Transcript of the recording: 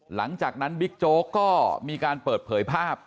หลังจากนั้นบิ๊กโจ๊กก็มีการเปิดเผยภาพ